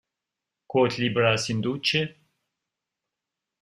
Quot libras in duce?